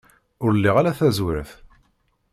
Ur liɣ ara taẓwert.